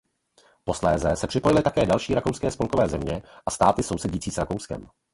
Posléze se připojily také další rakouské spolkové země a státy sousedící s Rakouskem.